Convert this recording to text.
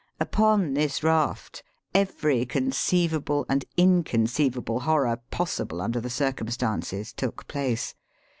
Upon this raft, ever, <,,;, ceivable and in conceivable horror, possible under the cir cumstances, took place.